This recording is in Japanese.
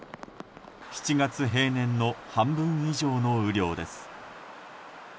７月平年の半分以上の雨量です。